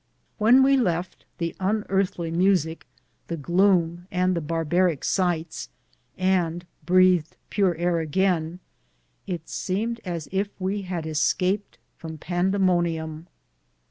When we left the unearthly music, the gloom, and the barbaric sights, and breathed pure air again, it seemed as if we had escaped from pandemonium.